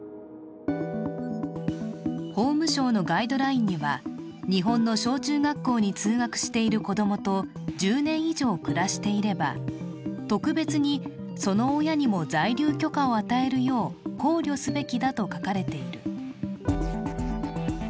法務省のガイドラインには、日本の小中学校に暮らしている子供と１０年以上暮らしていれば特別にその親にも在留許可を与えるよう考慮すべきだと書かれている。